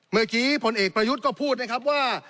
เมื่อกี้ผลเอกประยุทธ์ก็พูดนะครับว่า